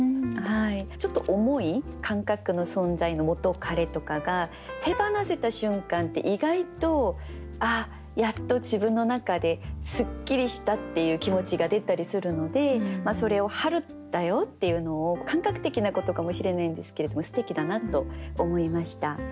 ちょっと重い感覚の存在の元カレとかが手放せた瞬間って意外とああやっと自分の中ですっきりしたっていう気持ちが出たりするのでそれを「春だよ」っていうのを感覚的なことかもしれないんですけれどもすてきだなと思いました。